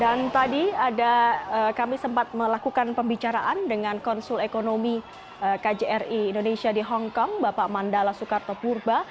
dan tadi ada kami sempat lakukan pembicaraan dengan konsul ekonomi kjri indonesia di hongkong bapak mandala soekarto burba